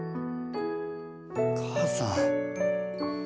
母さん。